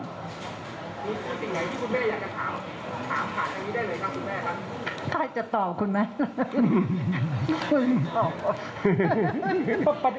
มีสิ่งไหนที่คุณแม่อยากจะถามถามผ่านอันนี้ได้เลยครับคุณแม่ครับ